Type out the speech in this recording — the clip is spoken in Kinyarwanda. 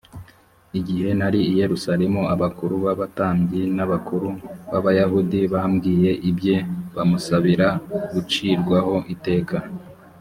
igihe nari i yerusalemu abakuru b abatambyi n abakuru b abayahudi bambwiye ibye bamusabira gucirwaho iteka